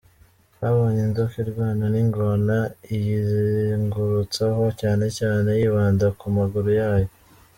Twabonye inzoka irwana n’ingona, iyizengurutsaho cyane cyane yibanda ku maguru yayo.